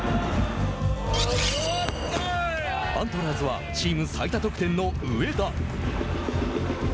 アントラーズはチーム最多得点の上田。